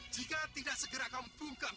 jika tidak segera kamu bungkam